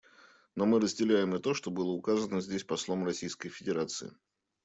Но мы разделяем и то, что было указано здесь послом Российской Федерации.